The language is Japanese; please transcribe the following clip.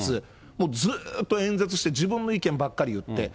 もうずっと演説して、自分の意見ばっかり言って。